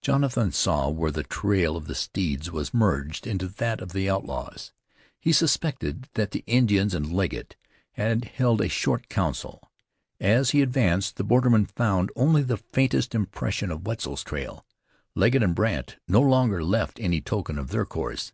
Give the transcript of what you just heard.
Jonathan saw where the trail of the steeds was merged into that of the outlaws. He suspected that the Indians and Legget had held a short council. As he advanced the borderman found only the faintest impression of Wetzel's trail. Legget and Brandt no longer left any token of their course.